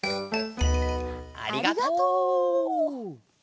ありがとう。